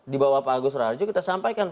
di bawah pak agus raharjo kita sampaikan